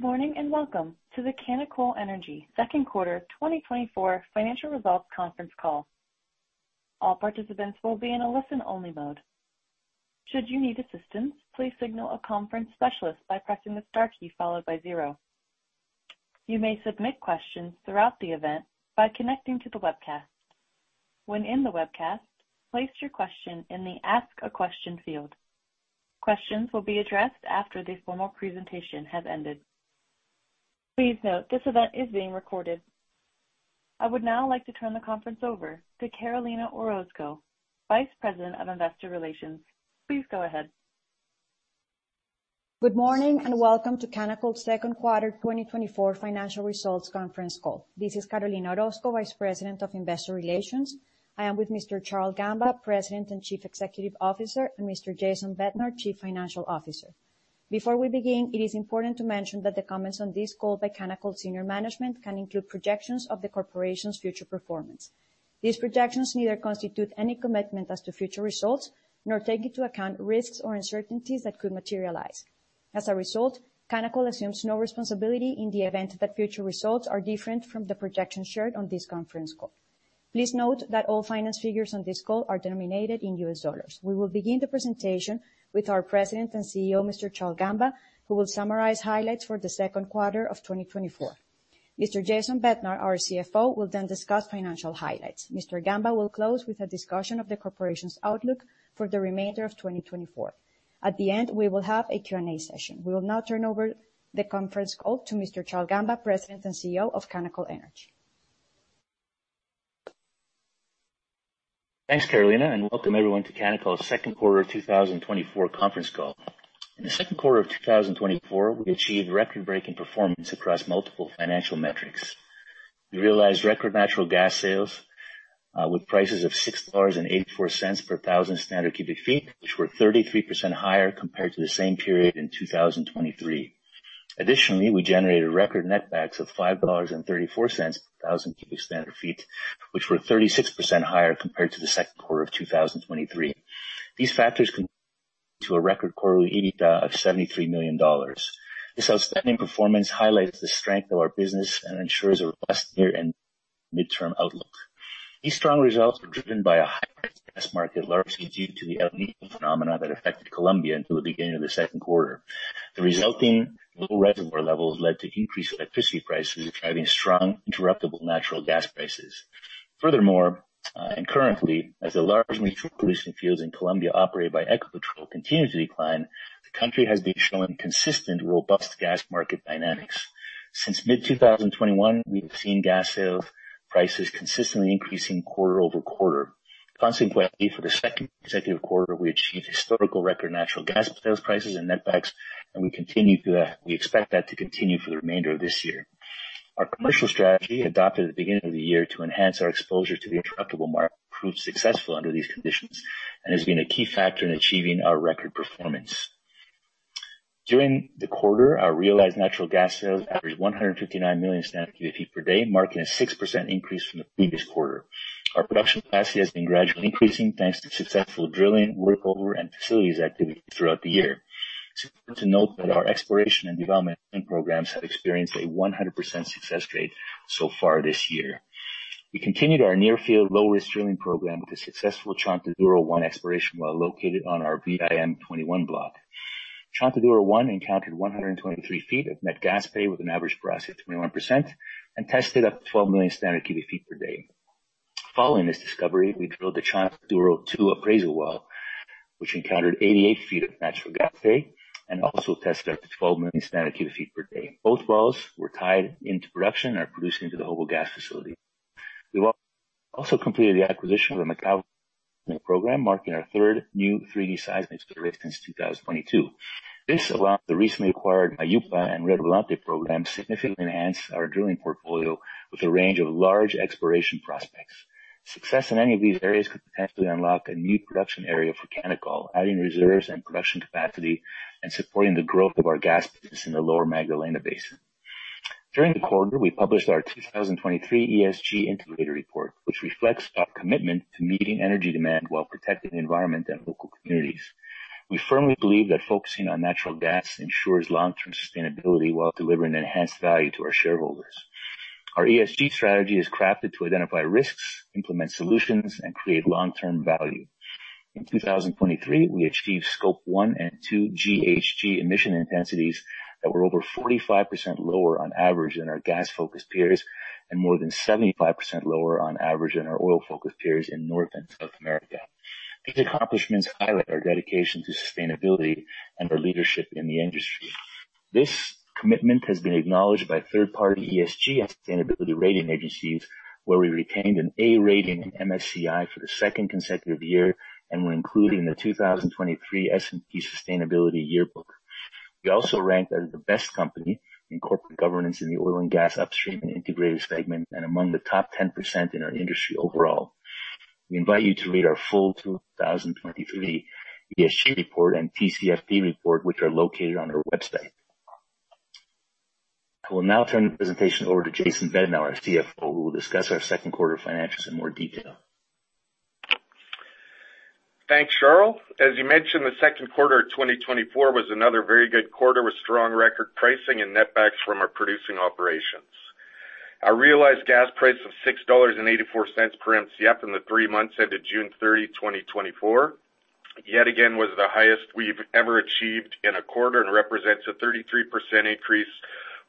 ...Good morning, and welcome to the Canacol Energy second quarter 2024 financial results conference call. All participants will be in a listen-only mode. Should you need assistance, please signal a conference specialist by pressing the star key followed by zero. You may submit questions throughout the event by connecting to the webcast. When in the webcast, place your question in the Ask a Question field. Questions will be addressed after the formal presentation has ended. Please note, this event is being recorded. I would now like to turn the conference over to Carolina Orozco, Vice President of Investor Relations. Please go ahead. Good morning, and welcome to Canacol's second quarter 2024 financial results conference call. This is Carolina Orozco, Vice President of Investor Relations. I am with Mr. Charles Gamba, President and Chief Executive Officer, and Mr. Jason Bednar, Chief Financial Officer. Before we begin, it is important to mention that the comments on this call by Canacol’s senior management can include projections of the corporation's future performance. These projections neither constitute any commitment as to future results, nor take into account risks or uncertainties that could materialize. As a result, Canacol assumes no responsibility in the event that future results are different from the projections shared on this conference call. Please note that all financial figures on this call are denominated in US dollars. We will begin the presentation with our President and CEO, Mr. Charles Gamba, who will summarize highlights for the second quarter of 2024. Mr. Jason Bednar, our CFO, will then discuss financial highlights. Mr. Gamba will close with a discussion of the corporation's outlook for the remainder of 2024. At the end, we will have a Q&A session. We will now turn over the conference call to Mr. Charles Gamba, President and CEO of Canacol Energy. Thanks, Carolina, and welcome everyone to Canacol's second quarter 2024 conference call. In the second quarter of 2024, we achieved record-breaking performance across multiple financial metrics. We realized record natural gas sales with prices of $6.84 per thousand standard cubic feet, which were 33% higher compared to the same period in 2023. Additionally, we generated record netbacks of $5.34 per thousand cubic standard feet, which were 36% higher compared to the second quarter of 2023. These factors contribute to a record quarterly EBITDA of $73 million. This outstanding performance highlights the strength of our business and ensures a robust year-end midterm outlook. These strong results were driven by a high gas market, largely due to the El Niño phenomenon that affected Colombia until the beginning of the second quarter. The resulting low reservoir levels led to increased electricity prices, driving strong interruptible natural gas prices. Furthermore, and currently, as the large natural gas producing fields in Colombia operated by Ecopetrol continue to decline, the country has been showing consistent, robust gas market dynamics. Since mid-2021, we've seen gas sales prices consistently increasing quarter over quarter. Consequently, for the second consecutive quarter, we achieved historical record natural gas sales prices and netbacks, and we continue to, we expect that to continue for the remainder of this year. Our commercial strategy, adopted at the beginning of the year to enhance our exposure to the interruptible market, proved successful under these conditions and has been a key factor in achieving our record performance. During the quarter, our realized natural gas sales averaged 159 million standard cubic feet per day, marking a 6% increase from the previous quarter. Our production capacity has been gradually increasing, thanks to successful drilling, workover, and facilities activities throughout the year. It's important to note that our exploration and development programs have experienced a 100% success rate so far this year. We continued our near field, low-risk drilling program with the successful Chontaduro 1 exploration well located on our VIM-21 block. Chontaduro 1 encountered 123 feet of net gas pay with an average porosity of 21% and tested up to 12 million standard cubic feet per day. Following this discovery, we drilled the Chontaduro-2 appraisal well, which encountered 88 feet of natural gas pay and also tested up to 12 million standard cubic feet per day. Both wells were tied into production and are producing to the Jobo Gas Facility. We also completed the acquisition of the Mukau program, marking our third new 3D seismic since 2022. This, along with the recently acquired Mayupa and Redoblante programs, significantly enhanced our drilling portfolio with a range of large exploration prospects. Success in any of these areas could potentially unlock a new production area for Canacol, adding reserves and production capacity and supporting the growth of our gas business in the Lower Magdalena Valley Basin. During the quarter, we published our 2023 ESG integrated report, which reflects our commitment to meeting energy demand while protecting the environment and local communities. We firmly believe that focusing on natural gas ensures long-term sustainability while delivering enhanced value to our shareholders. Our ESG strategy is crafted to identify risks, implement solutions, and create long-term value. In 2023, we achieved Scope 1 and 2 GHG emission intensities that were over 45% lower on average than our gas-focused peers, and more than 75% lower on average than our oil-focused peers in North and South America. These accomplishments highlight our dedication to sustainability and our leadership in the industry. This commitment has been acknowledged by third-party ESG and sustainability rating agencies, where we retained an A rating in MSCI for the second consecutive year, and were included in the 2023 S&P Sustainability Yearbook. We also ranked as the best company in corporate governance in the oil and gas upstream and integrated segment, and among the top 10% in our industry overall. We invite you to read our full 2023 ESG report and TCFD report, which are located on our website. I will now turn the presentation over to Jason Bednar, our CFO, who will discuss our second quarter financials in more detail.... Thanks, Charles. As you mentioned, the second quarter of 2024 was another very good quarter, with strong record pricing and netbacks from our producing operations. Our realized gas price of $6.84 per Mcf in the three months ended June 30, 2024, yet again, was the highest we've ever achieved in a quarter, and represents a 33% increase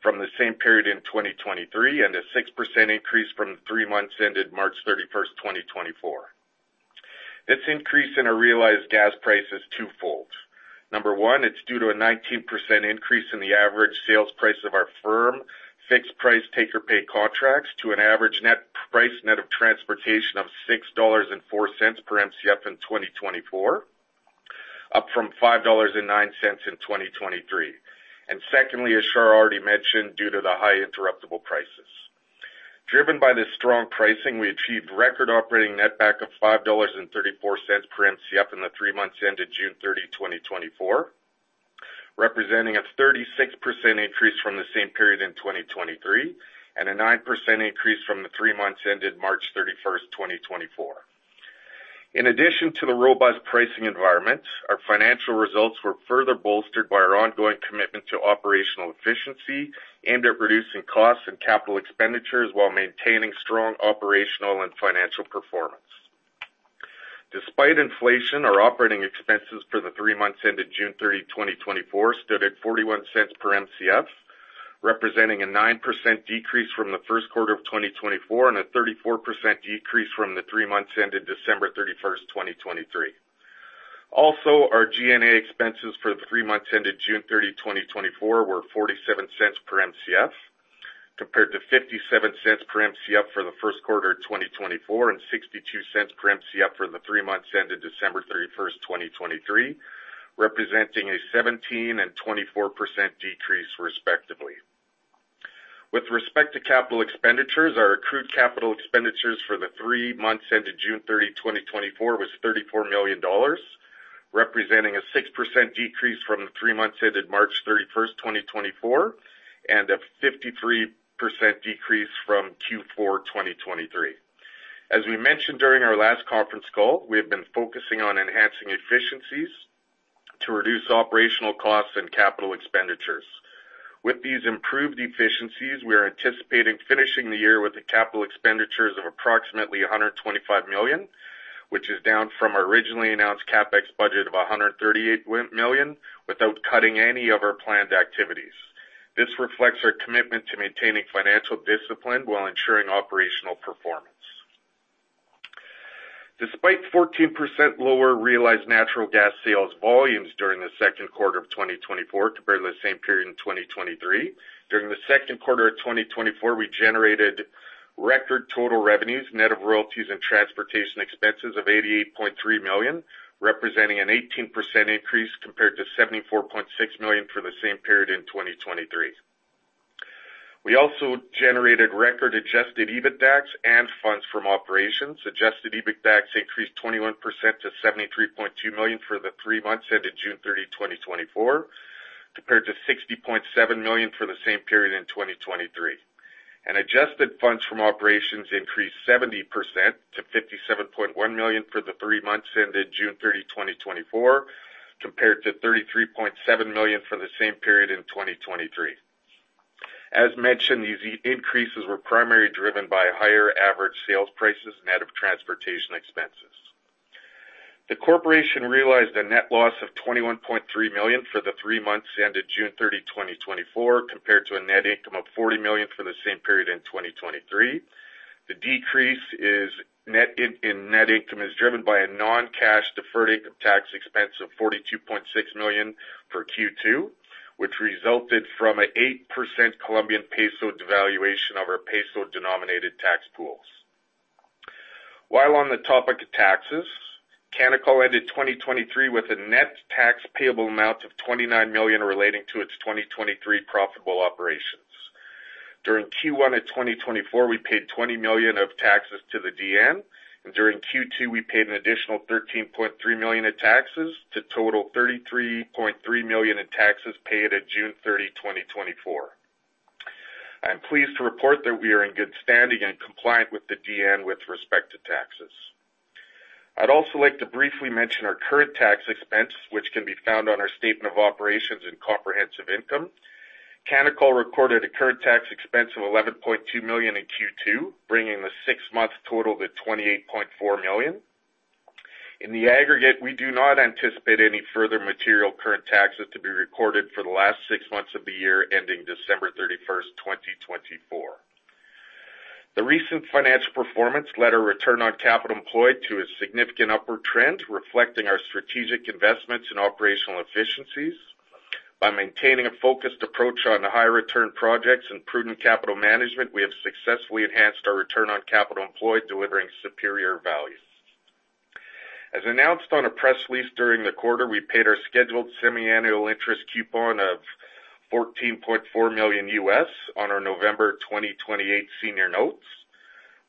from the same period in 2023, and a 6% increase from the three months ended March 31, 2024. This increase in our realized gas price is twofold. Number one, it's due to a 19% increase in the average sales price of our firm, fixed price take-or-pay contracts to an average net price net of transportation of $6.04 per Mcf in 2024, up from $5.09 in 2023. And secondly, as Char already mentioned, due to the high interruptible prices. Driven by this strong pricing, we achieved record operating netback of $5.34 per Mcf in the three months ended June 30, 2024, representing a 36% increase from the same period in 2023, and a 9% increase from the three months ended March 31, 2024. In addition to the robust pricing environment, our financial results were further bolstered by our ongoing commitment to operational efficiency and our reducing costs and capital expenditures, while maintaining strong operational and financial performance. Despite inflation, our operating expenses for the three months ended June 30, 2024, stood at $0.41 per Mcf, representing a 9% decrease from the first quarter of 2024, and a 34% decrease from the three months ended December 31, 2023. Also, our G&A expenses for the three months ended June 30, 2024, were 47 cents per Mcf, compared to 57 cents per Mcf for the first quarter of 2024, and 62 cents per Mcf for the three months ended December 31, 2023, representing a 17% and 24% decrease, respectively. With respect to capital expenditures, our accrued capital expenditures for the three months ended June 30, 2024, was $34 million, representing a 6% decrease from the three months ended March 31, 2024, and a 53% decrease from Q4 2023. As we mentioned during our last conference call, we have been focusing on enhancing efficiencies to reduce operational costs and capital expenditures. With these improved efficiencies, we are anticipating finishing the year with a capital expenditures of approximately $125 million, which is down from our originally announced CapEx budget of $138 million, without cutting any of our planned activities. This reflects our commitment to maintaining financial discipline while ensuring operational performance. Despite 14% lower realized natural gas sales volumes during the second quarter of 2024, compared to the same period in 2023, during the second quarter of 2024, we generated record total revenues, net of royalties and transportation expenses of $88.3 million, representing an 18% increase compared to $74.6 million for the same period in 2023. We also generated record adjusted EBITDAX and funds from operations. Adjusted EBITDAX increased 21% to $73.2 million for the three months ended June 30, 2024, compared to $60.7 million for the same period in 2023. Adjusted funds from operations increased 70% to $57.1 million for the three months ended June 30, 2024, compared to $33.7 million for the same period in 2023. As mentioned, these increases were primarily driven by higher average sales prices, net of transportation expenses. The corporation realized a net loss of $21.3 million for the three months ended June 30, 2024, compared to a net income of $40 million for the same period in 2023. The decrease in net income is driven by a non-cash deferred income tax expense of $42.6 million for Q2, which resulted from an 8% Colombian peso devaluation of our peso-denominated tax pools. While on the topic of taxes, Canacol ended 2023 with a net tax payable amount of $29 million relating to its 2023 profitable operations. During Q1 of 2024, we paid $20 million of taxes to the DIAN, and during Q2, we paid an additional $13.3 million in taxes, to total $33.3 million in taxes paid at June 30, 2024. I am pleased to report that we are in good standing and compliant with the DIAN with respect to taxes. I'd also like to briefly mention our current tax expense, which can be found on our statement of operations and comprehensive income. Canacol recorded a current tax expense of $11.2 million in Q2, bringing the six-month total to $28.4 million. In the aggregate, we do not anticipate any further material current taxes to be recorded for the last six months of the year, ending December 31st, 2024. The recent financial performance led a return on capital employed to a significant upward trend, reflecting our strategic investments in operational efficiencies. By maintaining a focused approach on high-return projects and prudent capital management, we have successfully enhanced our return on capital employed, delivering superior value. As announced on a press release during the quarter, we paid our scheduled semiannual interest coupon of $14.4 million US on our November 2028 senior notes.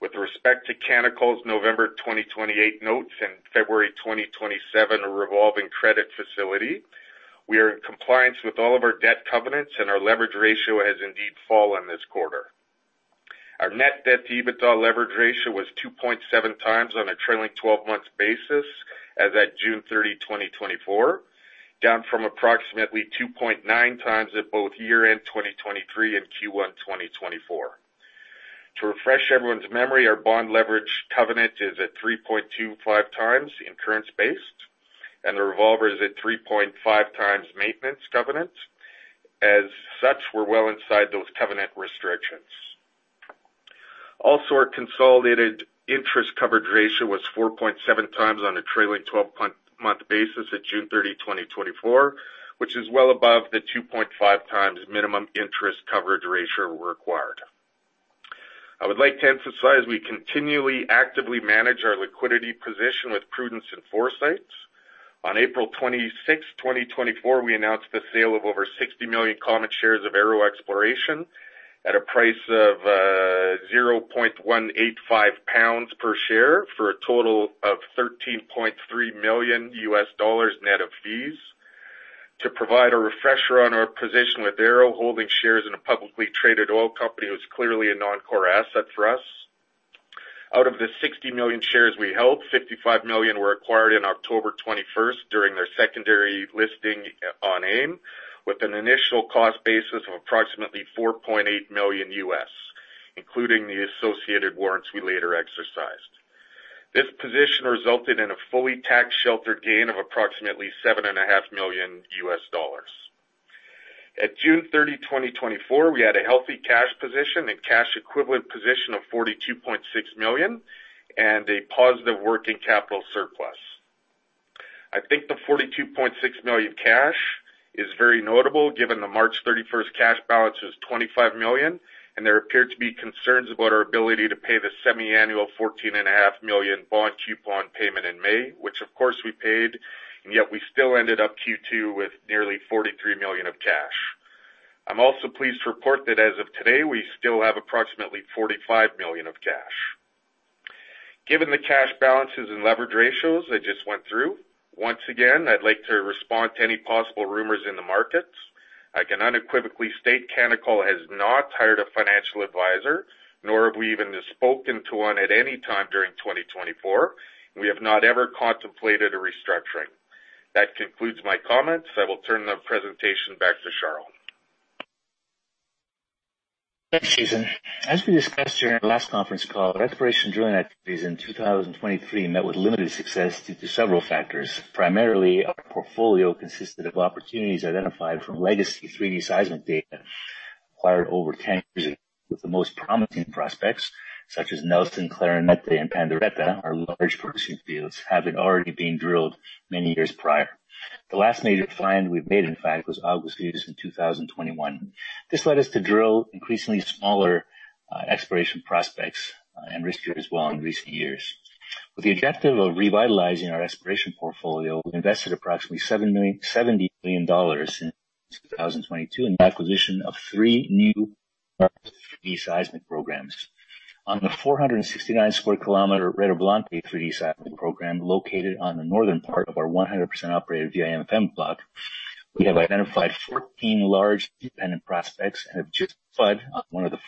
With respect to Canacol's November 2028 notes and February 2027 revolving credit facility, we are in compliance with all of our debt covenants, and our leverage ratio has indeed fallen this quarter. Our net debt to EBITDA leverage ratio was 2.7 times on a trailing 12 months basis as at June 30, 2024, down from approximately 2.9 times at both year-end 2023 and Q1 2024. To refresh everyone's memory, our bond leverage covenant is at 3.25 times in current space, and the revolver is at 3.5 times maintenance covenant. As such, we're well inside those covenant restrictions. Also, our consolidated interest coverage ratio was 4.7 times on a trailing 12-month basis at June 30, 2024, which is well above the 2.5 times minimum interest coverage ratio required. I would like to emphasize, we continually actively manage our liquidity position with prudence and foresights. On April 26, 2024, we announced the sale of over 60 million common shares of Arrow Exploration at a price of 0.185 pounds per share, for a total of $13.3 million net of fees. To provide a refresher on our position with Arrow, holding shares in a publicly traded oil company was clearly a non-core asset for us. Out of the 60 million shares we held, 55 million were acquired in October 2021 during their secondary listing on AIM, with an initial cost basis of approximately $4.8 million, including the associated warrants we later exercised. This position resulted in a fully tax-sheltered gain of approximately $7.5 million. At June 30, 2024, we had a healthy cash position, a cash equivalent position of $42.6 million and a positive working capital surplus. I think the $42.6 million cash is very notable, given the March 31 cash balance was $25 million, and there appeared to be concerns about our ability to pay the semiannual $14.5 million bond coupon payment in May, which of course we paid, and yet we still ended up Q2 with nearly $43 million of cash. I'm also pleased to report that as of today, we still have approximately $45 million of cash. Given the cash balances and leverage ratios I just went through, once again, I'd like to respond to any possible rumors in the markets. I can unequivocally state Canacol has not hired a financial advisor, nor have we even spoken to one at any time during 2024. We have not ever contemplated a restructuring. That concludes my comments. I will turn the presentation back to Charles. Thanks, Jason. As we discussed during our last conference call, exploration drilling activities in 2023 met with limited success due to several factors. Primarily, our portfolio consisted of opportunities identified from legacy 3D seismic data acquired over 10 years ago, with the most promising prospects, such as Nelson, Clarinete, and Pandereta, our large producing fields, having already been drilled many years prior. The last major find we've made, in fact, was Aguas Vivas in 2021. This led us to drill increasingly smaller exploration prospects and riskier as well in recent years. With the objective of revitalizing our exploration portfolio, we invested approximately $70 million in 2022 in the acquisition of three new 3D seismic programs. On the 469 sq km Redoblante 3D seismic program, located on the northern part of our 100% operated VIM-5 block, we have identified 14 large independent prospects and have just bought one of the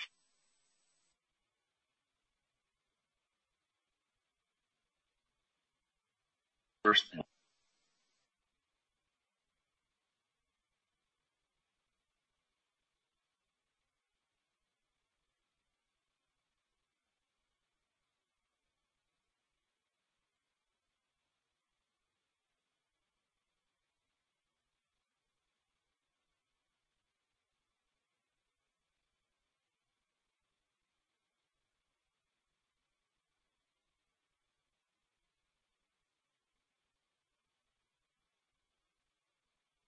first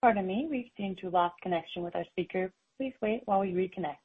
one. Pardon me. We seem to have lost connection with our speaker. Please wait while we reconnect.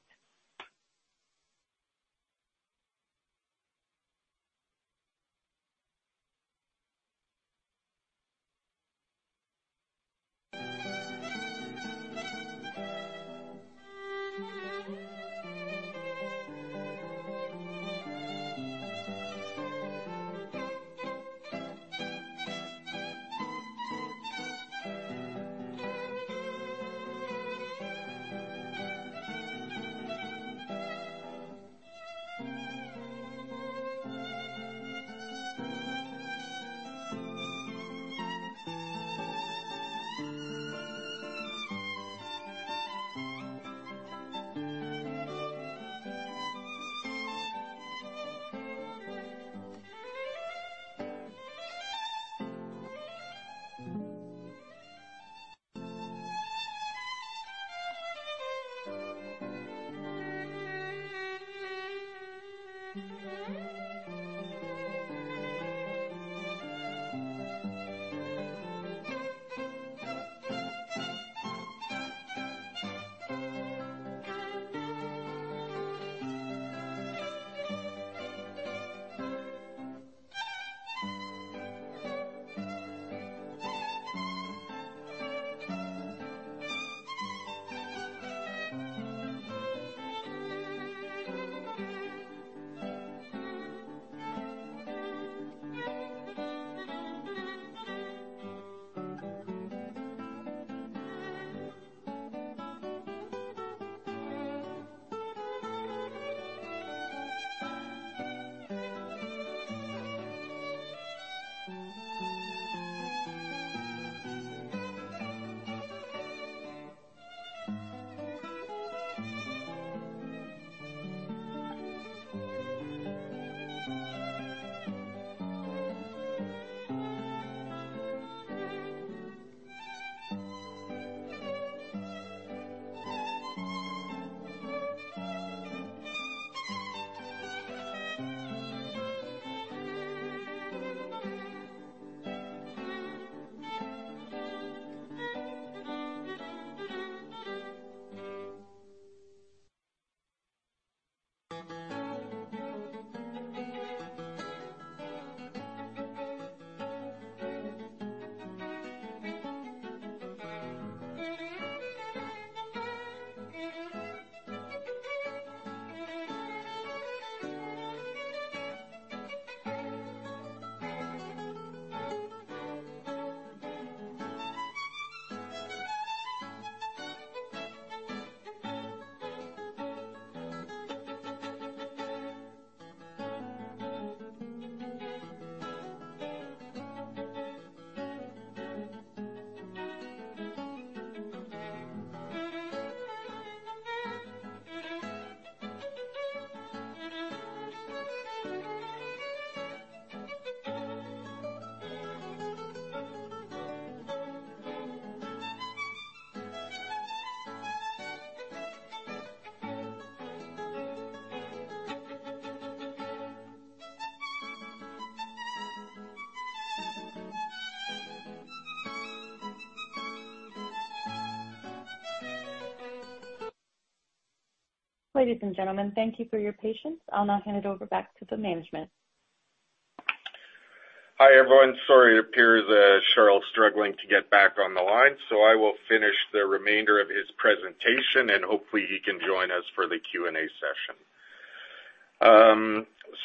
Ladies and gentlemen, thank you for your patience. I'll now hand it over back to the management. Hi, everyone. Sorry, it appears Charles is struggling to get back on the line, so I will finish the remainder of his presentation, and hopefully he can join us for the Q&A session.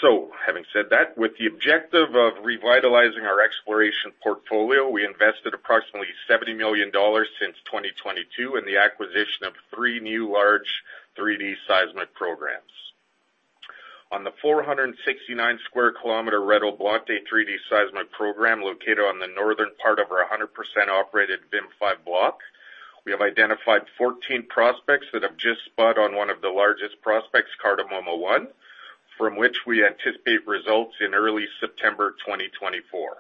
So having said that, with the objective of revitalizing our exploration portfolio, we invested approximately $70 million since 2022 in the acquisition of three new large 3D seismic programs. On the 469 sq km Redoblante 3D seismic program, located on the northern part of our 100% operated VIM-5 block, we have identified 14 prospects that have just spot on one of the largest prospects, Cardamomo 1, from which we anticipate results in early September 2024.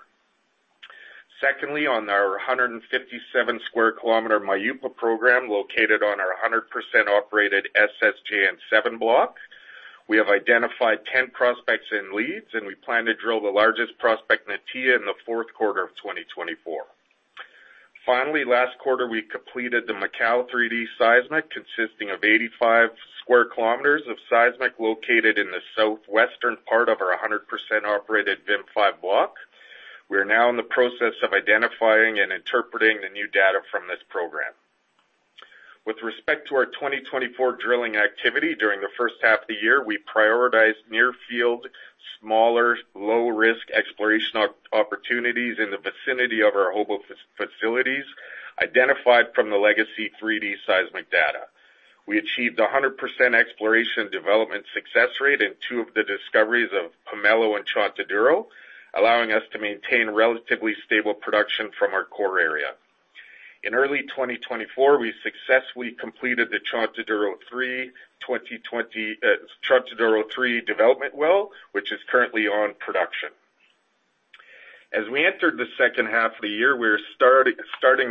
Secondly, on our 157 square kilometer Mayupa program, located on our 100% operated SSJN-7 block, we have identified 10 prospects and leads, and we plan to drill the largest prospect, Natia, in the fourth quarter of 2024. Finally, last quarter, we completed the Mukau 3D seismic, consisting of 85 square kilometers of seismic located in the southwestern part of our 100% operated VIM-5 block. We are now in the process of identifying and interpreting the new data from this program. With respect to our 2024 drilling activity, during the first half of the year, we prioritized near field, smaller, low-risk exploration opportunities in the vicinity of our Jobo facilities, identified from the Legacy 3D seismic data. We achieved 100% exploration development success rate in two of the discoveries of Pomelo and Chontaduro, allowing us to maintain relatively stable production from our core area. In early 2024, we successfully completed the Chontaduro 3 development well, which is currently on production. As we entered the second half of the year, we're starting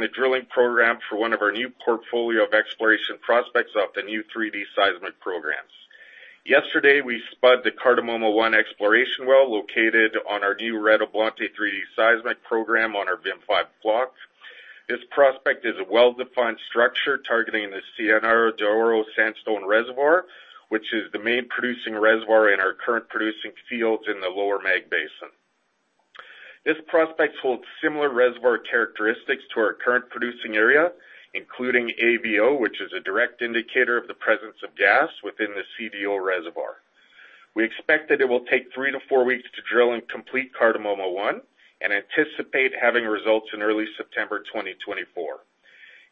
the drilling program for one of our new portfolio of exploration prospects of the new 3D seismic programs. Yesterday, we spud the Cardamomo 1 exploration well, located on our new Redoblante 3D seismic program on our VIM-5 block. This prospect is a well-defined structure targeting the Ciénaga de Oro sandstone reservoir, which is the main producing reservoir in our current producing fields in the Lower Mag Basin. This prospect holds similar reservoir characteristics to our current producing area, including AVO, which is a direct indicator of the presence of gas within the CDO reservoir. We expect that it will take 3-4 weeks to drill and complete Cardamomo 1, and anticipate having results in early September 2024.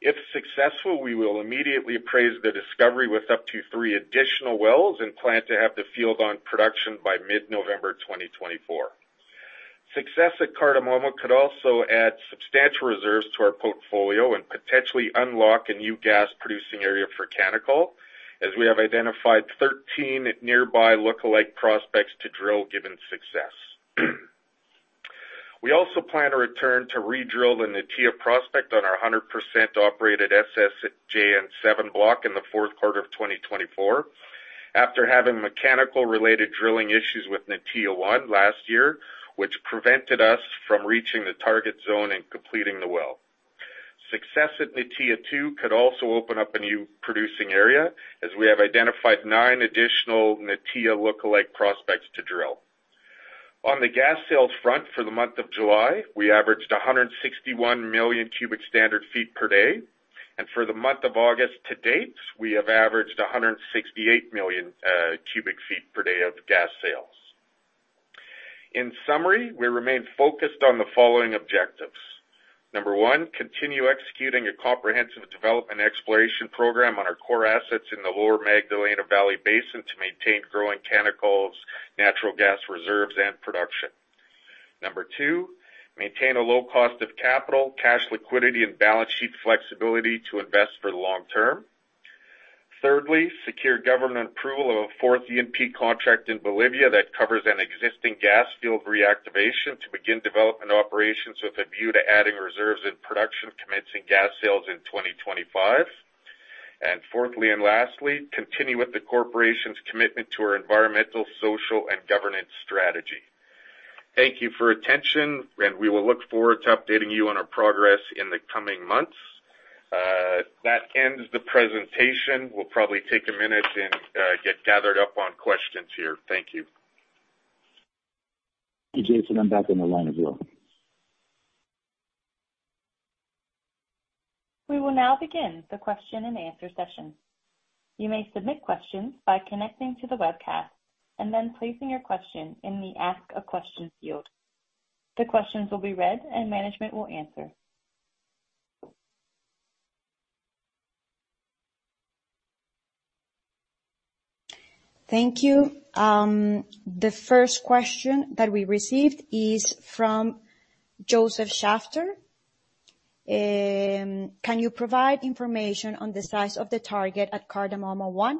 If successful, we will immediately appraise the discovery with up to 3 additional wells and plan to have the field on production by mid-November 2024. Success at Cardamomo could also add substantial reserves to our portfolio and potentially unlock a new gas-producing area for Canacol, as we have identified 13 nearby lookalike prospects to drill, given success. We also plan to return to redrill the Natia prospect on our 100% operated SSJN-7 block in the fourth quarter of 2024, after having mechanical-related drilling issues with Natia 1 last year, which prevented us from reaching the target zone and completing the well. Success at Natia 2 could also open up a new producing area, as we have identified 9 additional Natia lookalike prospects to drill. On the gas sales front for the month of July, we averaged 161 million cubic standard feet per day, and for the month of August to date, we have averaged 168 million cubic feet per day of gas sales. In summary, we remain focused on the following objectives: Number one, continue executing a comprehensive development exploration program on our core assets in the Lower Magdalena Valley Basin to maintain growing tangible natural gas reserves and production. Number two, maintain a low cost of capital, cash liquidity, and balance sheet flexibility to invest for the long term. Thirdly, secure government approval of a fourth E&P contract in Bolivia that covers an existing gas field reactivation to begin development operations with a view to adding reserves and production, commencing gas sales in 2025. Fourthly and lastly, continue with the corporation's commitment to our environmental, social, and governance strategy. Thank you for your attention, and we will look forward to updating you on our progress in the coming months. That ends the presentation. We'll probably take a minute and get gathered up on questions here. Thank you. Hey, Jason, I'm back on the line as well. We will now begin the question and answer session. You may submit questions by connecting to the webcast and then placing your question in the Ask a Question field. The questions will be read, and management will answer. Thank you. The first question that we received is from Josef Schachter. Can you provide information on the size of the target at Cardamomo-1?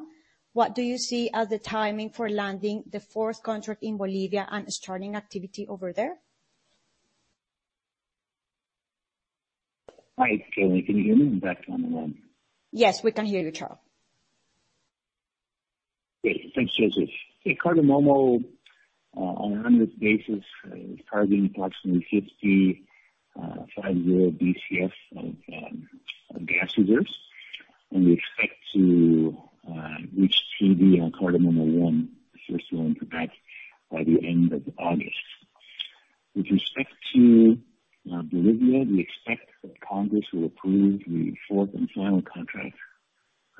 What do you see as the timing for landing the fourth contract in Bolivia and starting activity over there? Hi, Carolina, can you hear me? I'm back on the line. Yes, we can hear you, Charles. Great. Thanks, Josef. In Cardamomo, on an annual basis, we're targeting approximately 50 BCF of gas reserves, and we expect to reach TVD on Cardamomo-1, the first one, to TVD by the end of August. With respect to Bolivia, we expect that Congress will approve the fourth and final contract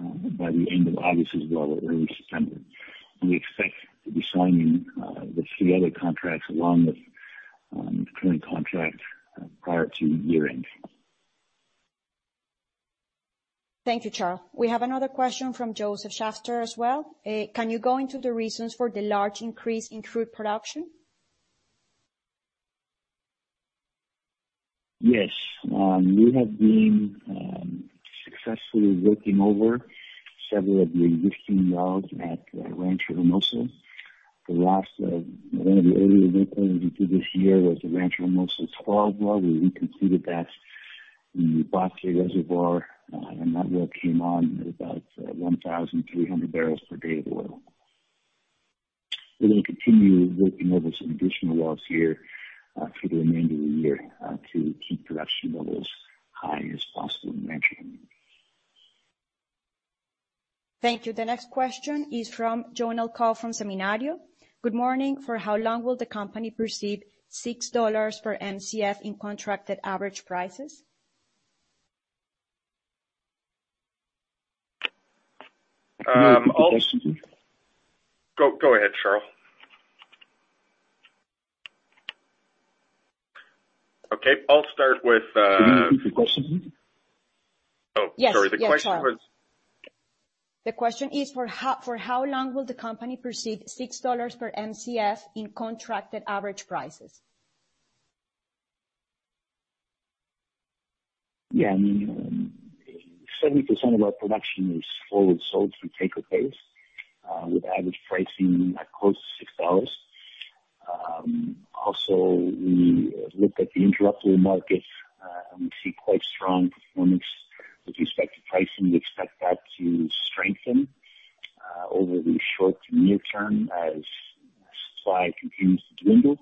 by the end of August as well, or early September. We expect to be signing the three other contracts along with the current contract prior to year-end. Thank you, Charles. We have another question from Josef Schachter as well. Can you go into the reasons for the large increase in crude production? Yes. We have been successfully working over several of the existing wells at Rancho Hermoso. The last one of the earlier well we did this year was the Rancho Hermoso 12 well. We completed that in the Ubaque Reservoir and that well came on at about 1,300 barrels per day of oil. We're gonna continue working over some additional wells here through the remainder of the year to keep production levels high as possible in Rancho Hermoso. Thank you. The next question is from Johanna Alcocer from Seminario & Cía. Good morning. For how long will the company receive $6 per Mcf in contracted average prices? Go, go ahead, Charles. Okay. I'll start with, Can you repeat the question please? Oh, sorry. Yes. The question was? The question is, for how long will the company receive $6 per Mcf in contracted average prices? Yeah, 70% of our production is forward sold through take-or-pay, with average pricing at close to $6. Also, we look at the interruptible market, and we see quite strong performance with respect to pricing. We expect that to strengthen, over the short to near term as supply continues to dwindle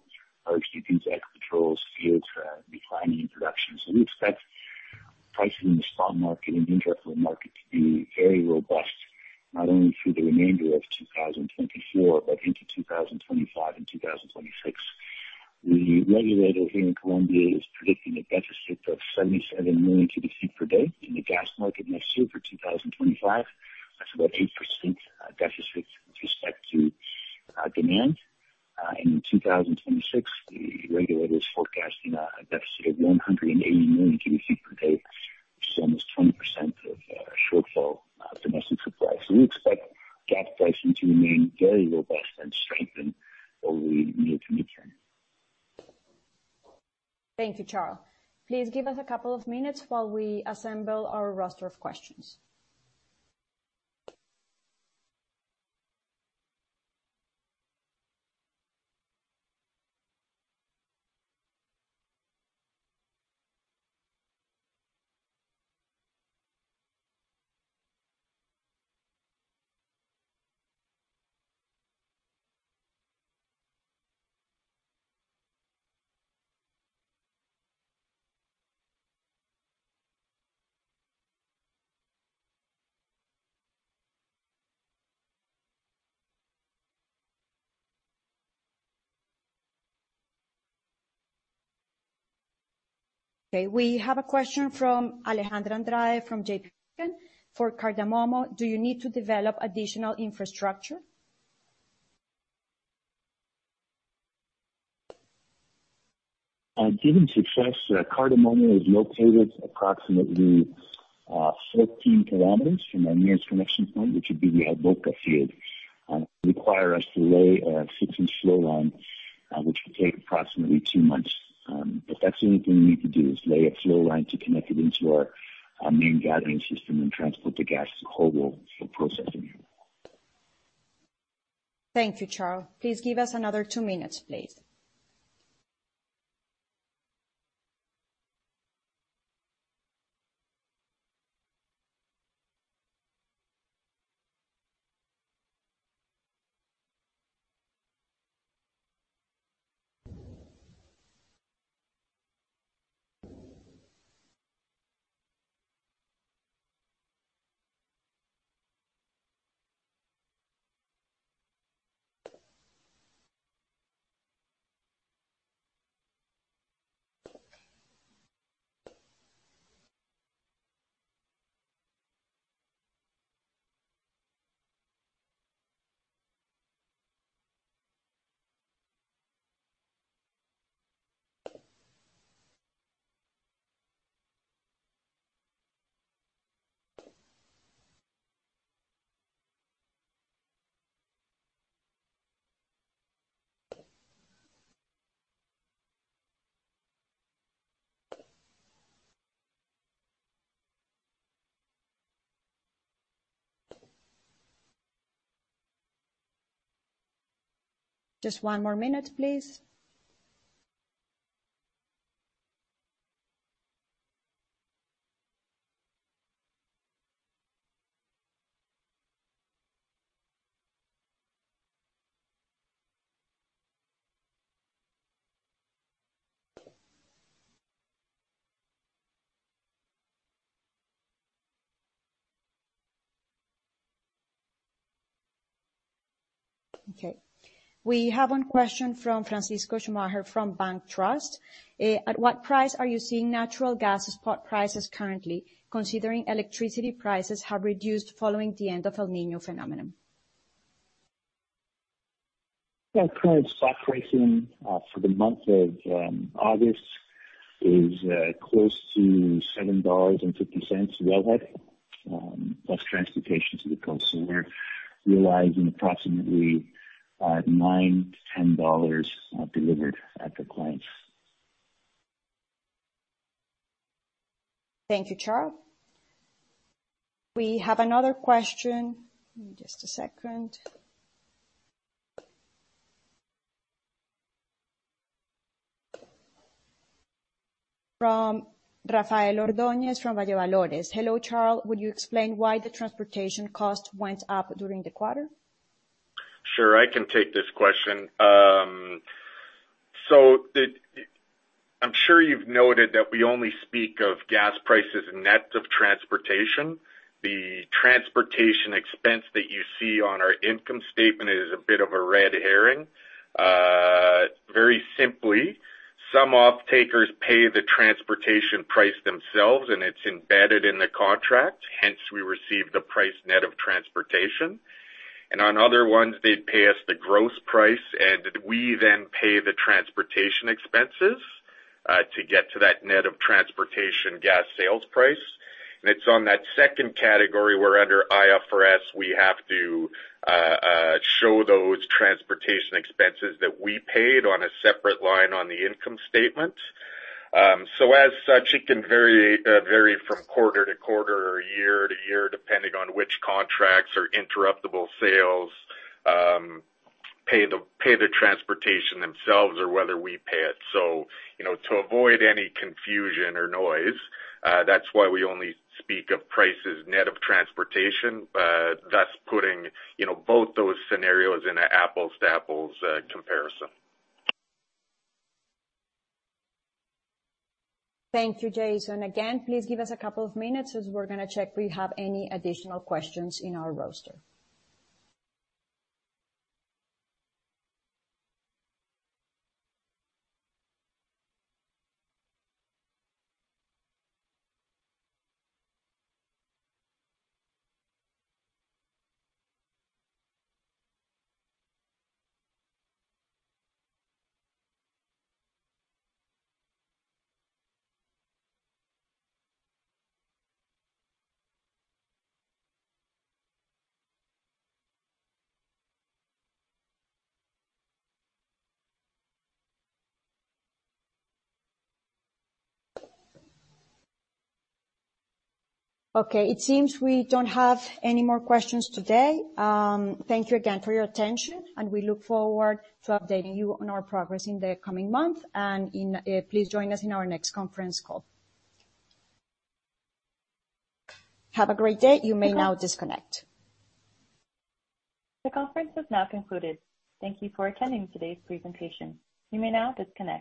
or as you can see controls here to declining production. So we expect pricing in the spot market and interruptible market to be very robust, not only through the remainder of 2024, but into 2025 and 2026. The regulator here in Colombia is predicting a deficit of 77 million cubic feet per day in the gas market next year for 2025. That's about 8% deficit with respect to demand. In 2026, the regulator is forecasting a deficit of 180 million cubic feet per day, which is almost 20% of shortfall of domestic supply. So we expect gas pricing to remain very robust and strengthen over the near to midterm. Thank you, Charles. Please give us a couple of minutes while we assemble our roster of questions.... Okay, we have a question from Alejandra Andrade from J.P. Morgan: For Cardamomo, do you need to develop additional infrastructure? Given success, Cardamomo is located approximately 14 kilometers from our nearest connection point, which would be the Alboka field. Require us to lay a 16 flow line, which would take approximately 2 months. But that's the only thing we need to do, is lay a flow line to connect it into our, our main gathering system and transport the gas to Jobo for processing. Thank you, Charles. Please give us another two minutes, please. Just one more minute, please. Okay, we have one question from Francisco Schumacher from BancTrust. At what price are you seeing natural gas spot prices currently, considering electricity prices have reduced following the end of El Niño phenomenon? Our current spot pricing for the month of August is close to $7.50 wellhead, plus transportation to the coast. So we're realizing approximately $9-$10 delivered at the client. Thank you, Charles. We have another question... Give me just a second. From Rafael Ordoñez, from Valor & Valores. Hello, Charles. Would you explain why the transportation cost went up during the quarter? Sure, I can take this question. So, I'm sure you've noted that we only speak of gas prices net of transportation. The transportation expense that you see on our income statement is a bit of a red herring. Very simply, some offtakers pay the transportation price themselves, and it's embedded in the contract, hence we receive the price net of transportation. And on other ones, they pay us the gross price, and we then pay the transportation expenses to get to that net of transportation gas sales price. And it's on that second category, where under IFRS, we have to show those transportation expenses that we paid on a separate line on the income statement. So as such, it can vary from quarter to quarter or year to year, depending on which contracts or interruptible sales pay the transportation themselves or whether we pay it. So, you know, to avoid any confusion or noise, that's why we only speak of prices net of transportation. Thus putting, you know, both those scenarios in an apples to apples comparison. Thank you, Jason. Again, please give us a couple of minutes as we're gonna check if we have any additional questions in our roster. Okay, it seems we don't have any more questions today. Thank you again for your attention, and we look forward to updating you on our progress in the coming month. Please join us in our next conference call. Have a great day. You may now disconnect. The conference is now concluded. Thank you for attending today's presentation. You may now disconnect.